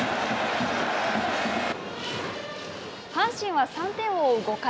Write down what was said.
阪神は３点を追う５回。